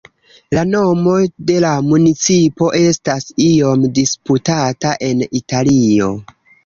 La nomo de la municipo estas iom disputata en Italio.